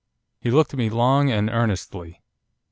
He looked at me long and earnestly.